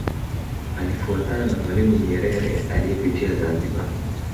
Alifuatana na Mwalimu Nyerere aliyepitia Zanzibar